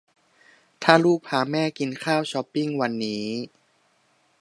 ถ้าลูกพาแม่กินข้าวช้อปปิ้งวันนี้